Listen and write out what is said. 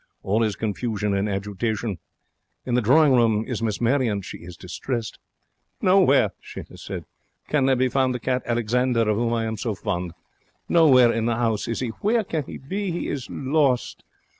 All is confusion and agitation. In the drawing room is Miss Marion. She is distressed. 'Nowhere,' she has said, 'can there be found the cat Alexander of whom I am so fond. Nowhere in the 'ouse is he, Where can he be? He is lost.'